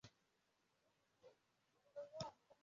Imbwa ikunkumura amazi